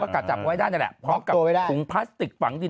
กดจับไว้ได้พร้อมขวงพลาสติกฝังดิน